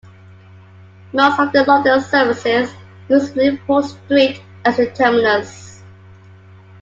Most of the London services use Liverpool Street as their terminus.